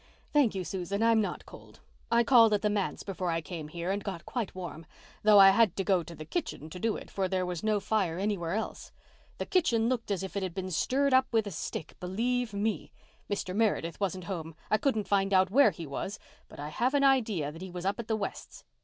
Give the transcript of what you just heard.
"Thank you, Susan, I'm not cold. I called at the manse before I came here and got quite warm—though I had to go to the kitchen to do it, for there was no fire anywhere else. The kitchen looked as if it had been stirred up with a stick, believe me. Mr. Meredith wasn't home. I couldn't find out where he was, but I have an idea that he was up at the Wests'.